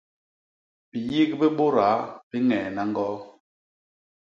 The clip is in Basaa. Biyik bi bôdaa bi ñeena ñgoo.